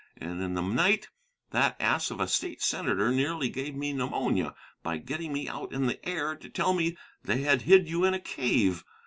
And in the night that ass of a state senator nearly gave me pneumonia by getting me out in the air to tell me they had hid you in a cave.